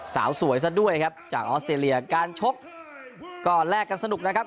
สาวสวยซะด้วยครับจากออสเตรเลียการชกก็แลกกันสนุกนะครับ